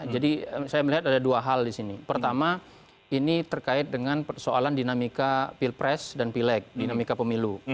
jadi saya melihat ada dua hal di sini pertama ini terkait dengan soalan dinamika pilpres dan pileg dinamika pemilu